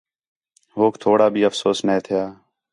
ہوک تھوڑا بھی افسوس نے تھیا